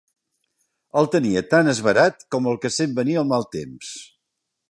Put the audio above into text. El tenia tant esverat com el que sent venir el mal temps